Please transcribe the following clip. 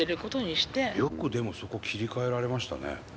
よくでもそこ切り替えられましたね。